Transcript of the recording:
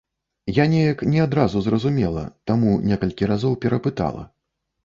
Я неяк не адразу зразумела, таму некалькі разоў перапытала.